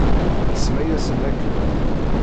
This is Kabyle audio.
Nsemma-yasen akken.